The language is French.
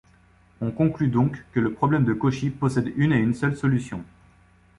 On conclut donc que le problème de Cauchy possède une et une seule solution.